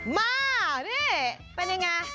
มานี่เป็นยังไง